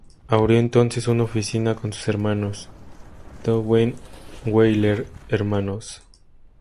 Abrió entonces una oficina con sus hermanos, "Doggenweiler Hnos.